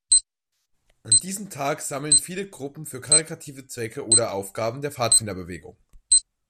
An diesem Tag sammeln viele Gruppen für karitative Zwecke oder Aufgaben der Pfadfinderbewegung.